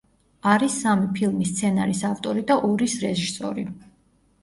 არის სამი ფილმის სცენარის ავტორი და ორის რეჟისორი.